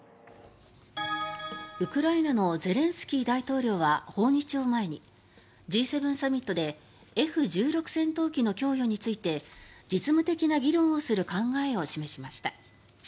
ウクライナのゼレンスキー大統領は訪日を前に、Ｇ７サミットでＦ１６戦闘機の供与について実務的な議論をする考えを示しました。